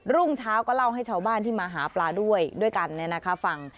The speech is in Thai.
รุ่งเช้าก็เล่าให้ชาวบ้านที่มาหาปลาด้วยด้วยกันฟัง